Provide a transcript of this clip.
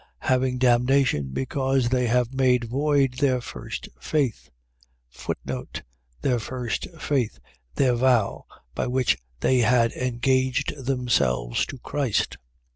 Having damnation, because they have made void their first faith. Their first faith. .. Their vow, by which they had engaged themselves to Christ.